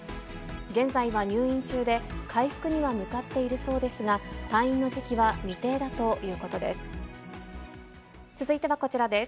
現在は入院中で、回復には向かっているそうですが、退院の時期は未定だということです。